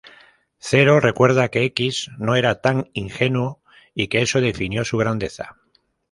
Zero recuerda que X no era tan ingenuo y que eso definió su grandeza.